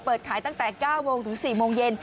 เปิดขายตั้งแต่๙โมงถึง๔โมงเย็น